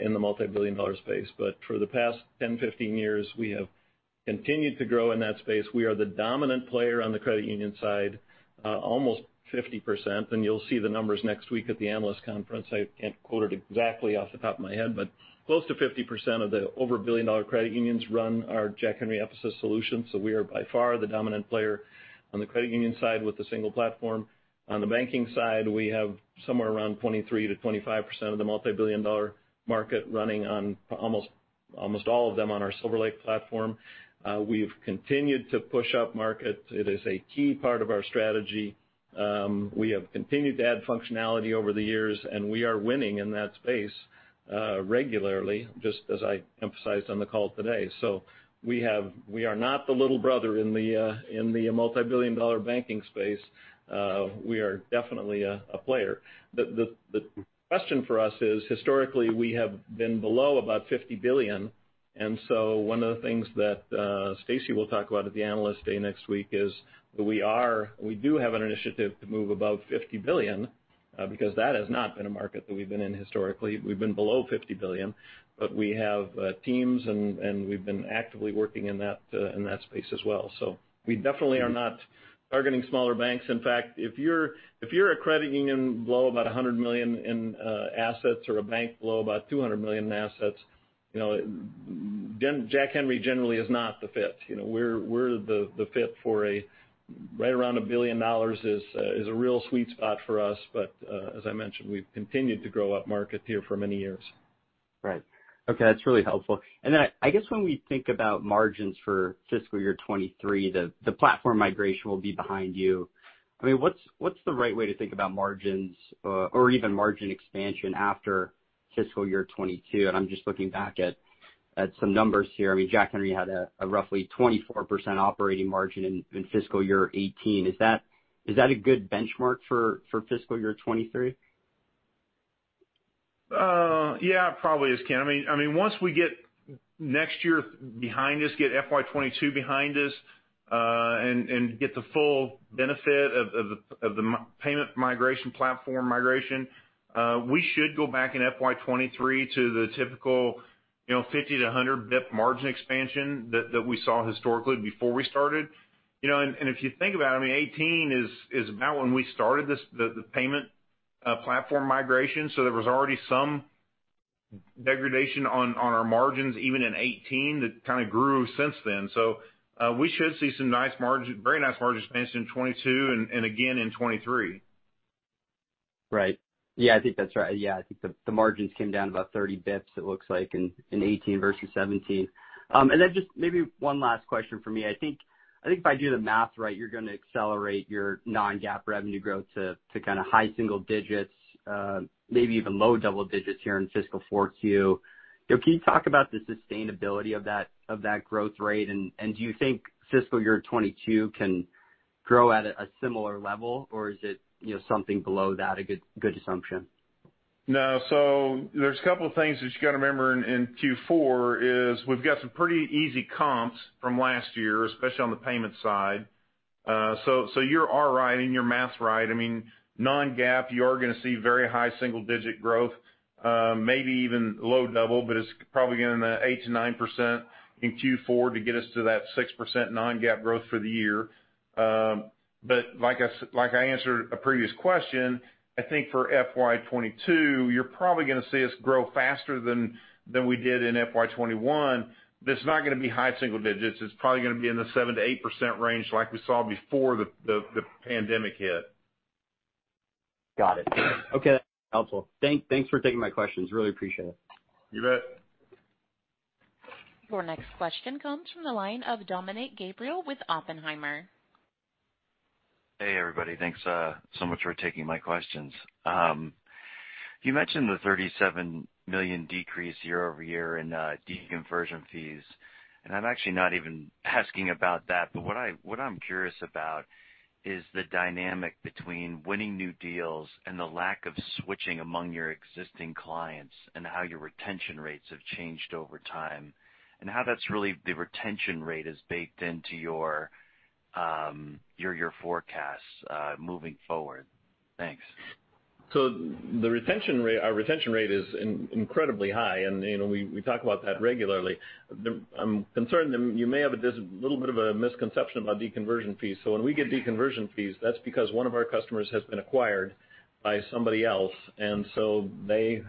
in the multi-billion-dollar space. For the past 10, 15 years, we have continued to grow in that space. We are the dominant player on the credit union side, almost 50%, and you'll see the numbers next week at the analyst conference. I can't quote it exactly off the top of my head, but close to 50% of the over billion-dollar credit unions run our Jack Henry Episys solution. We are by far the dominant player on the credit union side with the single platform. On the banking side, we have somewhere around 23%-25% of the multi-billion-dollar market running on almost all of them on our SilverLake platform. We've continued to push up market. It is a key part of our strategy. We have continued to add functionality over the years, and we are winning in that space regularly, just as I emphasized on the call today. We are not the little brother in the multi-billion-dollar banking space. We are definitely a player. The question for us is, historically, we have been below about 50 billion, and so one of the things that Stacey will talk about at the Analyst Day next week is that we do have an initiative to move above 50 billion, because that has not been a market that we've been in historically. We've been below $50 billion, but we have teams, and we've been actively working in that space as well. We definitely are not targeting smaller banks. In fact, if you're a credit union below about $100 million in assets or a bank below about $200 million in assets, Jack Henry generally is not the fit. We're the fit for right around a billion dollars is a real sweet spot for us. As I mentioned, we've continued to grow up market here for many years. Right. Okay, that's really helpful. Then I guess when we think about margins for fiscal year 2023, the platform migration will be behind you. What's the right way to think about margins or even margin expansion after fiscal year 2022? I'm just looking back at some numbers here. Jack Henry had a roughly 24% operating margin in fiscal year 2018. Is that a good benchmark for fiscal year 2023? Yeah, it probably is, Ken. Once we get next year behind us, get FY 2022 behind us, and get the full benefit of the payment migration platform migration, we should go back in FY 2023 to the typical 50 to 100 basis points margin expansion that we saw historically before we started. If you think about it, 2018 is about when we started the payment platform migration. There was already some degradation on our margins, even in 2018, that kind of grew since then. We should see some very nice margin expansion in 2022 and again in 2023. Right. Yeah, I think that's right. I think the margins came down about 30 basis points, it looks like, in 2018 versus 2017. Just maybe one last question from me. I think if I do the math right, you're going to accelerate your non-GAAP revenue growth to high single digits, maybe even low double digits here in fiscal 4Q. Can you talk about the sustainability of that growth rate? Do you think fiscal year 2022 can grow at a similar level, or is it something below that a good assumption? No. There's a couple of things that you got to remember in Q4 is we've got some pretty easy comps from last year, especially on the payment side. You are right and your math's right. Non-GAAP, you are going to see very high single-digit growth, maybe even low double, but it's probably going to be 8%-9% in Q4 to get us to that 6% non-GAAP growth for the year. Like I answered a previous question, I think for FY 2022, you're probably going to see us grow faster than we did in FY 2021, but it's not going to be high single digits. It's probably going to be in the 7%-8% range like we saw before the pandemic hit. Got it. Okay, that's helpful. Thanks for taking my questions. Really appreciate it. You bet. Your next question comes from the line of Dominick Gabriele with Oppenheimer. Hey, everybody. Thanks so much for taking my questions. You mentioned the 37 million decrease year-over-year in deconversion fees, and I'm actually not even asking about that. What I'm curious about is the dynamic between winning new deals and the lack of switching among your existing clients, and how your retention rates have changed over time, and how that's really the retention rate is baked into your forecasts moving forward. Thanks. Our retention rate is incredibly high, and we talk about that regularly. I'm concerned that you may have a little bit of a misconception about deconversion fees. When we get deconversion fees, that's because one of our customers has been acquired by somebody else, and so they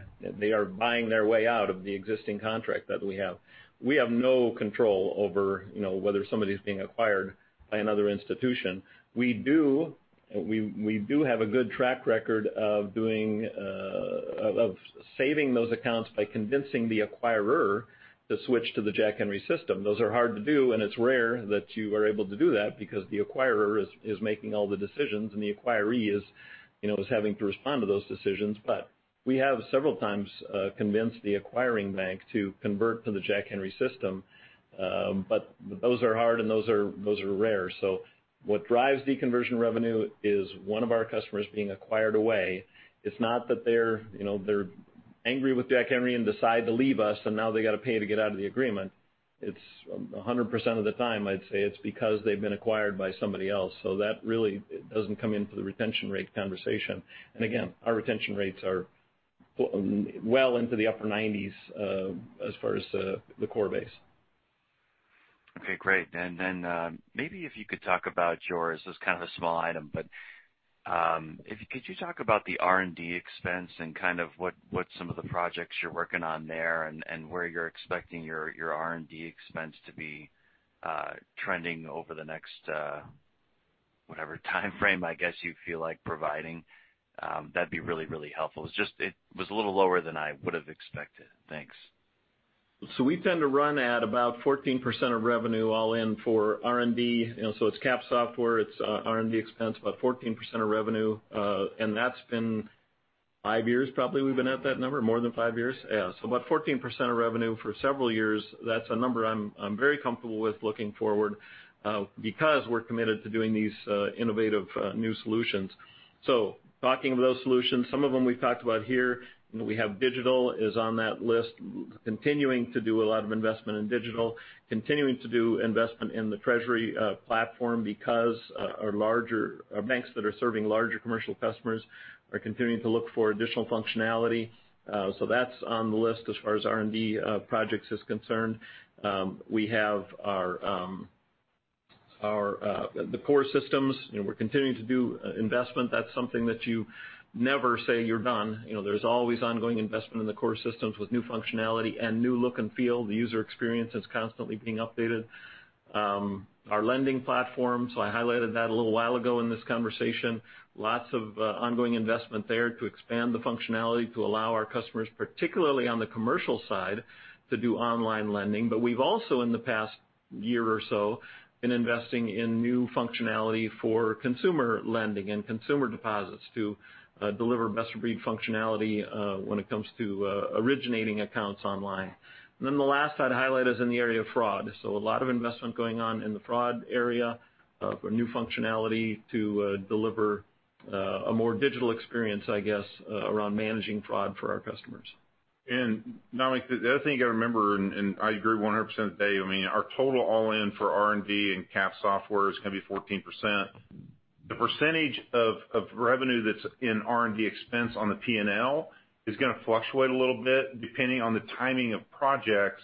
are buying their way out of the existing contract that we have. We have no control over whether somebody's being acquired by another institution. We do have a good track record of saving those accounts by convincing the acquirer to switch to the Jack Henry system. Those are hard to do, and it's rare that you are able to do that because the acquirer is making all the decisions and the acquiree is having to respond to those decisions. We have several times convinced the acquiring bank to convert to the Jack Henry system. Those are hard and those are rare. What drives deconversion revenue is one of our customers being acquired away. It's not that they're angry with Jack Henry and decide to leave us and now they got to pay to get out of the agreement. It's 100% of the time, I'd say, it's because they've been acquired by somebody else. That really doesn't come into the retention rate conversation. Again, our retention rates are well into the upper 90s as far as the core base. Okay, great. Maybe if you could talk about this is kind of a small item, but could you talk about the R&D expense and what some of the projects you're working on there and where you're expecting your R&D expense to be trending over the next, whatever timeframe I guess you feel like providing? That'd be really helpful. It was a little lower than I would have expected. Thanks. We tend to run at about 14% of revenue all in for R&D. It's capitalized software, it's R&D expense, about 14% of revenue. That's been five years, probably, we've been at that number. More than five years? Yeah. About 14% of revenue for several years. That's a number I'm very comfortable with looking forward because we're committed to doing these innovative new solutions. Talking of those solutions, some of them we've talked about here. We have digital is on that list, continuing to do a lot of investment in digital, continuing to do investment in the treasury platform because our banks that are serving larger commercial customers are continuing to look for additional functionality. That's on the list as far as R&D projects is concerned. We have the core systems. We're continuing to do investment. That's something that you never say you're done. There's always ongoing investment in the core systems with new functionality and new look and feel. The user experience is constantly being updated. Our lending platform, so I highlighted that a little while ago in this conversation. Lots of ongoing investment there to expand the functionality to allow our customers, particularly on the commercial side, to do online lending. We've also, in the past year or so, been investing in new functionality for consumer lending and consumer deposits to deliver best-of-breed functionality when it comes to originating accounts online. The last I'd highlight is in the area of fraud. A lot of investment going on in the fraud area for new functionality to deliver a more digital experience, I guess, around managing fraud for our customers. Dominick, the other thing you got to remember, and I agree 100% with Dave, our total all-in for R&D and capitalized software is going to be 14%. The percentage of revenue that's in R&D expense on the P&L is going to fluctuate a little bit depending on the timing of projects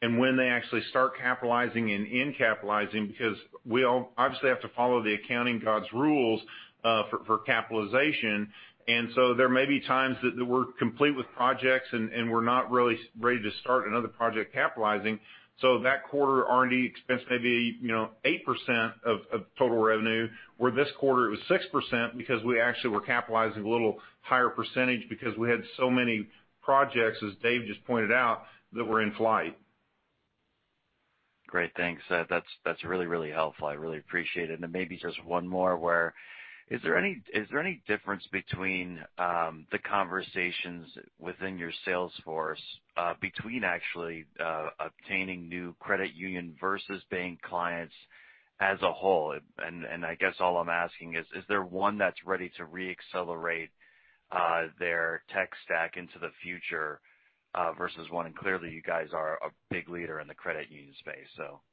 and when they actually start capitalizing and end capitalizing, because we obviously have to follow the accounting rules for capitalization. There may be times that we're complete with projects and we're not really ready to start another project capitalizing. That quarter, R&D expense may be 8% of total revenue, where this quarter it was 6% because we actually were capitalizing a little higher percentage because we had so many projects, as Dave just pointed out, that were in flight. Great. Thanks. That's really helpful. I really appreciate it. Maybe just one more, where is there any difference between the conversations within your sales force between actually obtaining new credit union versus bank clients as a whole? I guess all I'm asking is there one that's ready to re-accelerate their tech stack into the future versus one. Clearly, you guys are a big leader in the credit union space.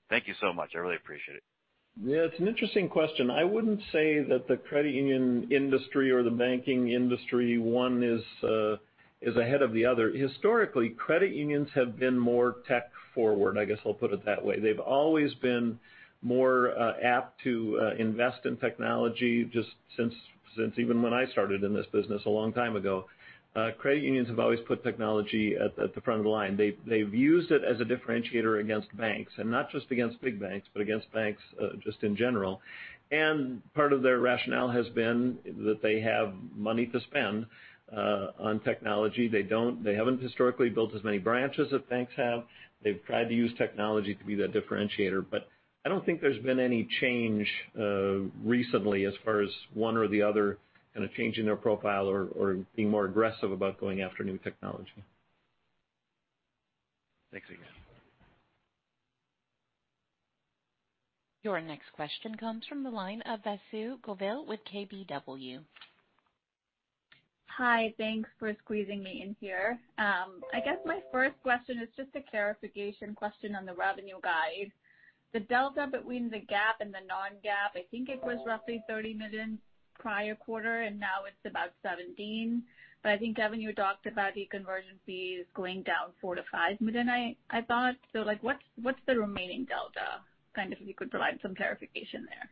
Thank you so much. I really appreciate it. Yeah. It's an interesting question. I wouldn't say that the credit union industry or the banking industry, one is ahead of the other. Historically, credit unions have been more tech forward, I guess I'll put it that way. They've always been more apt to invest in technology just since even when I started in this business a long time ago. Credit unions have always put technology at the front of the line. They've used it as a differentiator against banks, and not just against big banks, but against banks just in general. Part of their rationale has been that they have money to spend on technology. They haven't historically built as many branches as banks have. They've tried to use technology to be that differentiator. I don't think there's been any change recently as far as one or the other kind of changing their profile or being more aggressive about going after new technology. Thanks again. Your next question comes from the line of Vasu Govil with KBW. Hi. Thanks for squeezing me in here. I guess my first question is just a clarification question on the revenue guide. The delta between the GAAP and the non-GAAP, I think it was roughly $30 million prior quarter, and now it's about $17 million. I think, Kevin, you talked about the conversion fees going down $4 million-$5 million, I thought. What's the remaining delta? If you could provide some clarification there.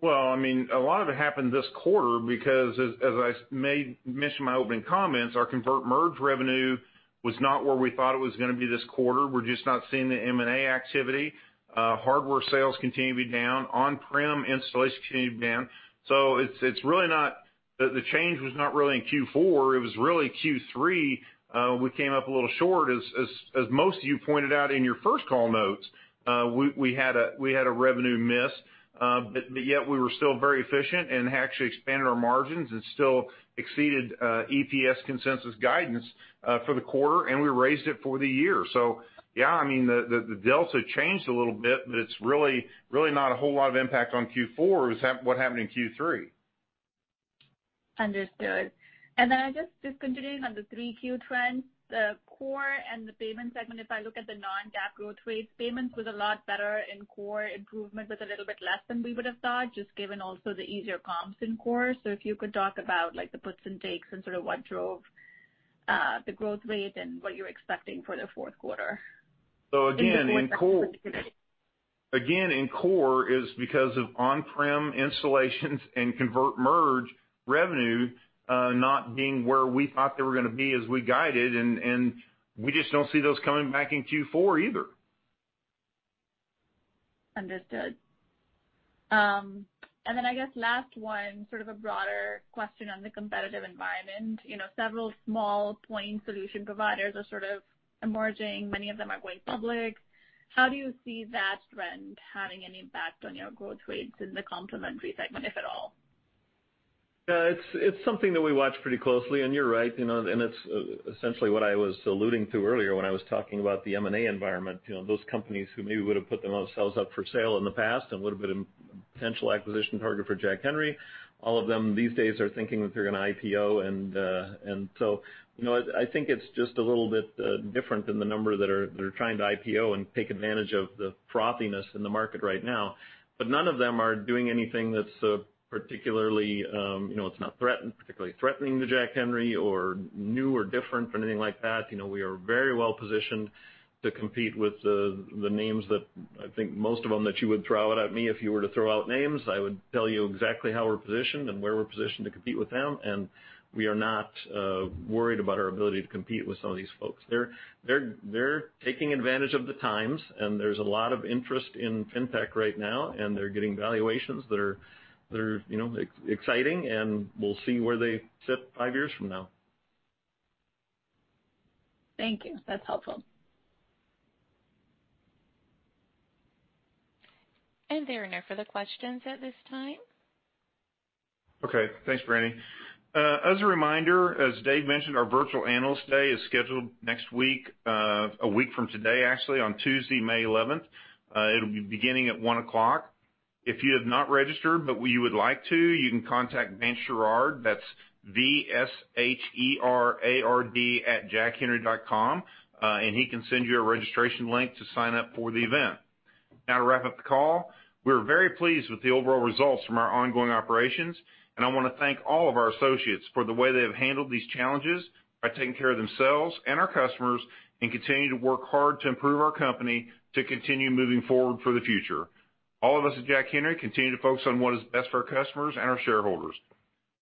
Well, a lot of it happened this quarter because as I mentioned in my opening comments, our convert merge revenue was not where we thought it was going to be this quarter. We're just not seeing the M&A activity. Hardware sales continue to be down. On-prem installations continue to be down. The change was not really in Q4, it was really Q3. We came up a little short, as most of you pointed out in your first call notes. We had a revenue miss. Yet we were still very efficient and actually expanded our margins and still exceeded EPS consensus guidance for the quarter, and we raised it for the year. Yeah, the delta changed a little bit, but it's really not a whole lot of impact on Q4. It was what happened in Q3. Understood. I guess just continuing on the 3Q trends, the core and the payment segment, if I look at the non-GAAP growth rates, payments was a lot better and core improvement was a little bit less than we would have thought, just given also the easier comps in core. If you could talk about the puts and takes and sort of what drove the growth rate and what you're expecting for the fourth quarter. Again, in core is because of on-prem installations and convert merge revenue not being where we thought they were going to be as we guided, and we just don't see those coming back in Q4 either. Understood. I guess last one, sort of a broader question on the competitive environment. Several small point solution providers are sort of emerging. Many of them are going public. How do you see that trend having an impact on your growth rates in the complementary segment, if at all? It's something that we watch pretty closely, and you're right, and it's essentially what I was alluding to earlier when I was talking about the M&A environment. Those companies who maybe would have put themselves up for sale in the past and would have been a potential acquisition target for Jack Henry, all of them these days are thinking that they're going to IPO. I think it's just a little bit different than the number that are trying to IPO and take advantage of the frothiness in the market right now. None of them are doing anything that's particularly threatening to Jack Henry or new or different or anything like that. We are very well-positioned to compete with the names that I think most of them that you would throw out at me if you were to throw out names, I would tell you exactly how we're positioned and where we're positioned to compete with them. We are not worried about our ability to compete with some of these folks. They're taking advantage of the times, and there's a lot of interest in fintech right now, and they're getting valuations that are exciting, and we'll see where they sit five years from now. Thank you. That's helpful. There are no further questions at this time. Okay. Thanks, Brandy. As a reminder, as Dave mentioned, our virtual Analyst Day is scheduled next week, a week from today, actually, on Tuesday, May 11th. It'll be beginning at one o'clock. If you have not registered but you would like to, you can contact Vance Sherard, that's VSherard@jackhenry.com, and he can send you a registration link to sign up for the event. Now to wrap up the call, we're very pleased with the overall results from our ongoing operations, and I want to thank all of our associates for the way they have handled these challenges by taking care of themselves and our customers and continue to work hard to improve our company to continue moving forward for the future. All of us at Jack Henry continue to focus on what is best for our customers and our shareholders.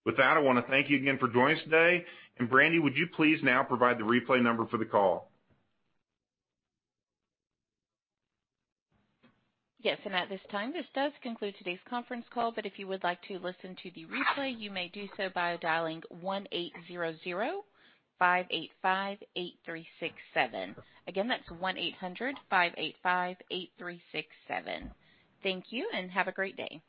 With that, I want to thank you again for joining us today. Brandy, would you please now provide the replay number for the call? Yes. At this time, this does conclude today's conference call. If you would like to listen to the replay, you may do so by dialing 1-800-585-8367. Again, that's 1-800-585-8367. Thank you, and have a great day.